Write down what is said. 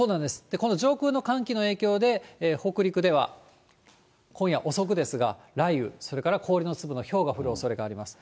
この上空の寒気の影響で、北陸では今夜遅くですが、雷雨、それから氷の粒のひょうが降るおそれがあります。